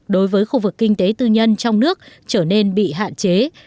đối với khu vực kinh tế tư nhân trong nước trở nên bị hạn chế